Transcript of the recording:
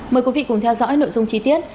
mời quý vị cùng theo dõi nội dung chi tiết